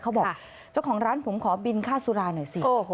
เจ้าของร้านผมขอบินค่าสุราหน่อยสิ